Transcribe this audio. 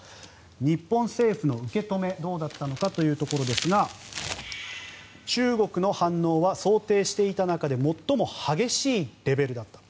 日本政府の受け止めどうだったのかというところですが中国の反応は想定していた中で最も激しいレベルだったと。